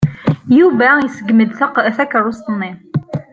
Yuba iṣeggem-d takeṛṛust-nni.